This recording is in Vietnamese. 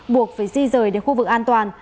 buộc phải di rời đến khu vực an toàn